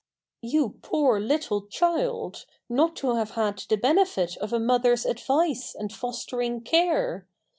You poor little child, not to have had the benefit of a mother's advice and fostering care!